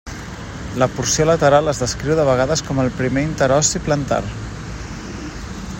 La porció lateral es descriu de vegades com el primer interossi plantar.